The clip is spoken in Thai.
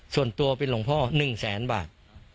ส่วนตัวเป็นหลวงพ่อ๑แสนบาท